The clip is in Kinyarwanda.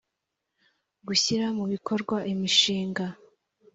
gushyira mu bikorwa imishinga